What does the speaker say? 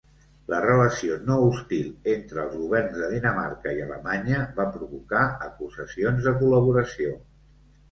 La relació no hostil entre els governs de Dinamarca i Alemanya va provocar acusacions de col·laboració.